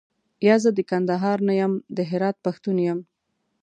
یا، زه د کندهار نه یم زه د هرات پښتون یم.